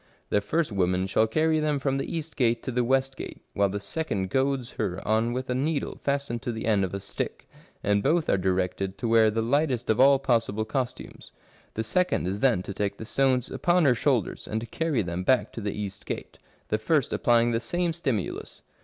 The first woman shall carry them from the east gate to the west gate, whilst the second goads her on with a needle fastened to the end of a stick," and both are directed to wear the lightest of all possible costumes. " The second is then to take the stones upon her shoulders and to carry them back to the east gate, the first applying the same stimulus."